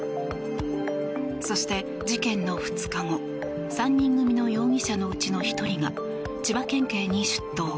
そして事件の２日後３人組の容疑者のうちの１人が千葉県警に出頭。